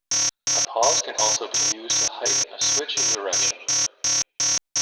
A pause can also be used to heighten a switch in direction.